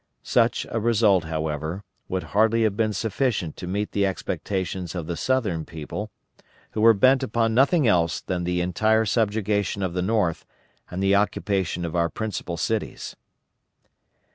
Such a result, however, would hardly have been sufficient to meet the expectations of the Southern people, who were bent upon nothing else than the entire subjugation of the North and the occupation of our principal cities.